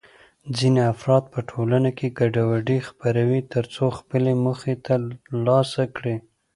ځینې افراد په ټولنه کې ګډوډي خپروي ترڅو خپلې موخې ترلاسه کړي.